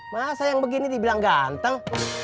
masa yang begini dibilang ganteng